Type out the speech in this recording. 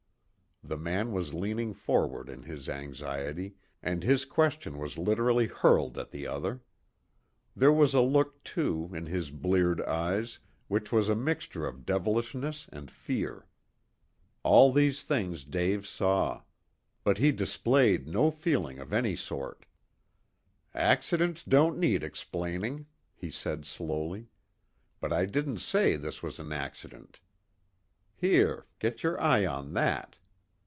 The man was leaning forward in his anxiety, and his question was literally hurled at the other. There was a look, too, in his bleared eyes which was a mixture of devilishness and fear. All these things Dave saw. But he displayed no feeling of any sort. "Accidents don't need explaining," he said slowly. "But I didn't say this was an accident. Here, get your eye on that."